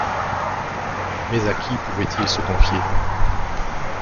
Mais à qui pouvait-il se confier?